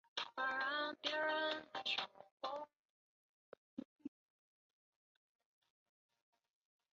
鱼腥脑岛灯塔是浙江省岱山县境内的一座灯塔。